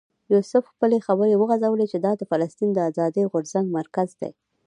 یوسف خپلې خبرې وغځولې چې دا د فلسطین د آزادۍ غورځنګ مرکز دی.